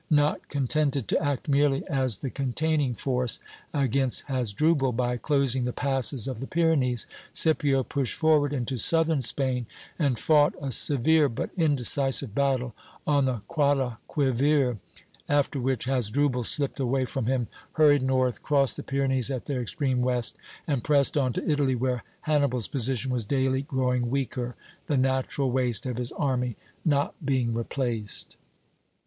Not contented to act merely as the "containing" force against Hasdrubal by closing the passes of the Pyrenees, Scipio pushed forward into southern Spain, and fought a severe but indecisive battle on the Guadalquivir; after which Hasdrubal slipped away from him, hurried north, crossed the Pyrenees at their extreme west, and pressed on to Italy, where Hannibal's position was daily growing weaker, the natural waste of his army not being replaced.